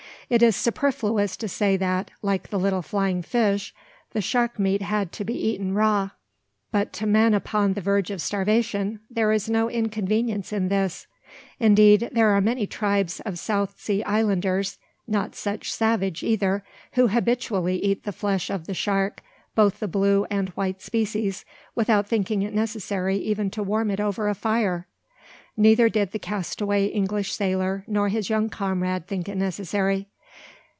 It is superfluous to say that, like the little flying fish, the shark meat had to be eaten raw; but to men upon the verge of starvation there is no inconvenience in this. Indeed, there are many tribes of South Sea Islanders not such savage either who habitually eat the flesh of the shark both the blue and white species without thinking it necessary even to warm it over a fire! Neither did the castaway English sailor nor his young comrade think it necessary.